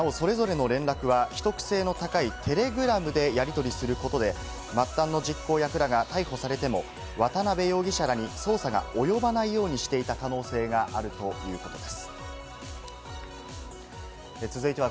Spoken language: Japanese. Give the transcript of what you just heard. それぞれの連絡は秘匿性の高いテレグラムでやりとりすることで、末端の実行役らが逮捕されても、渡辺容疑者らに捜査が及ばないようにしていた可能性があるということです。